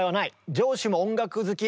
上司も音楽好き。